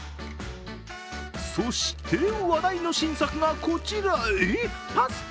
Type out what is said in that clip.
そして、話題の新作がこちら。